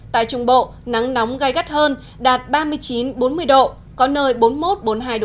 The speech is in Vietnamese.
tại trung bộ nắng nóng gai gắt hơn đạt ba mươi chín bốn mươi độ có nơi bốn mươi một bốn mươi hai độ c